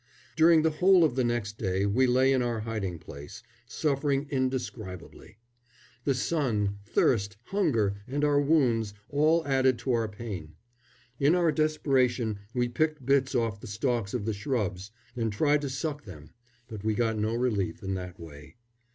During the whole of the next day we lay in our hiding place, suffering indescribably. The sun, thirst, hunger, and our wounds, all added to our pain. In our desperation we picked bits off the stalks of the shrubs and tried to suck them; but we got no relief in that way.